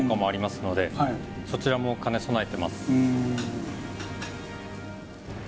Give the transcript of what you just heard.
そちらも兼ね備えてます